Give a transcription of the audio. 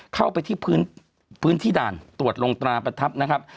เข้าไปที่พื้นที่ด่านตรวจลงตราประทับนะครับ